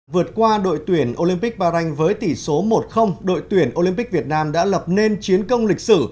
vượt qua đội tuyển olympic bahrain với tỷ số một đội tuyển olympic việt nam đã lập nên chiến công lịch sử